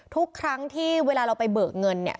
ทุกครั้งที่เวลาเราไปเบิกเงินเนี่ย